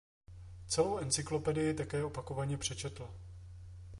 Celou encyklopedii také opakovaně přečetl.